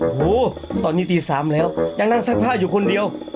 โอ้โหตอนนี้ตี๓แล้วยังนั่งซักผ้าอยู่คนเดียว